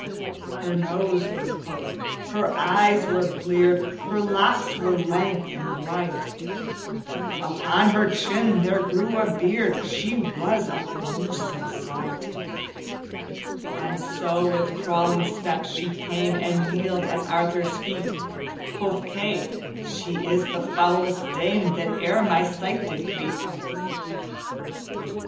"Her nose was hooked, her eyes were bleared, Her locks were lank and white; Upon her chin there grew a beard; She was a gruesome sight. "And so with crawling step she came And kneeled at Arthur's feet; Quoth Kay, 'She is the foulest dame That e'er my sight did greet.'